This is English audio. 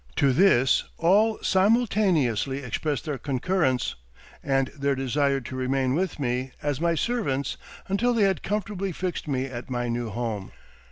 To this all simultaneously expressed their concurrence, and their desire to remain with me, as my servants, until they had comfortably fixed me at my new home.